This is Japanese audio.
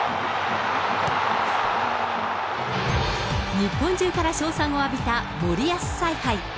日本中から称賛を浴びた森保采配。